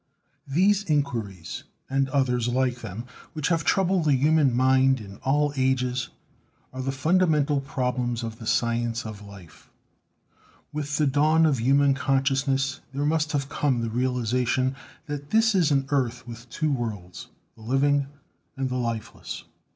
These inquiries and others like them which have troubled the human mind in all ages are the fundamental problems of the science of life. With the dawn of human consciousness there must have come the realization that this is an earth with two worlds — the living and the lifeless.